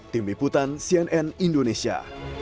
tim liputan cnn indonesia